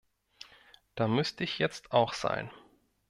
Da müsste ich jetzt auch sein.